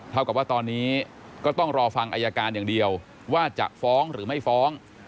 เท่ากับว่าตอนนี้ก็ต้องรอฟังอายการอย่างเดียวว่าจะฟ้องหรือไม่ฟ้อง